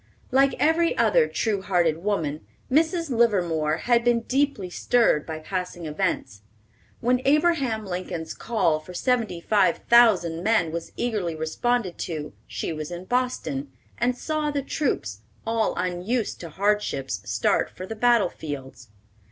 Like every other true hearted woman, Mrs. Livermore had been deeply stirred by passing events. When Abraham Lincoln's call for seventy five thousand men was eagerly responded to, she was in Boston, and saw the troops, all unused to hardships, start for the battle fields.